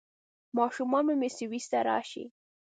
ماشومان به مې سویس ته راشي؟